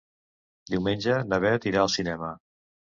Diumenge na Bet irà al cinema.